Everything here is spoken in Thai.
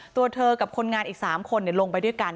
ตัวเธอกับคนงานอีก๓คนลงไปด้วยกัน